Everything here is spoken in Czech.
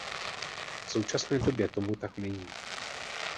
V současné době tomu tak není.